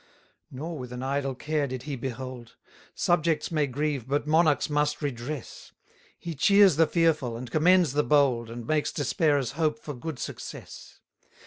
242 Nor with an idle care did he behold: Subjects may grieve, but monarchs must redress; He cheers the fearful, and commends the bold, And makes despairers hope for good success.